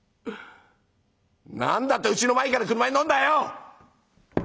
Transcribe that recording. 何だってうちの前から俥に乗んだよ！」。